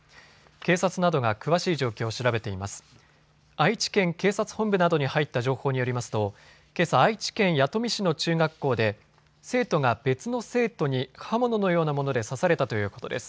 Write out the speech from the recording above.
愛知県警察本部などに入った情報によりますとけさ、愛知県弥富市の中学校で生徒が別の生徒に刃物のようなもので刺されたということです。